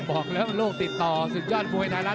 บอกแล้วว่าโลกติดต่อสุดยอดมวยธรรม